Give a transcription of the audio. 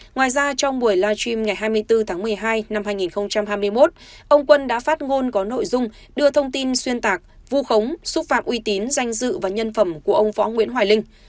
ngoài ra trong buổi live stream ngày hai mươi bốn tháng một mươi hai năm hai nghìn hai mươi một ông quân đã phát ngôn có nội dung đưa thông tin xuyên tạc vu khống xúc phạm uy tín danh dự và nhân phẩm của ông võ nguyễn hoài linh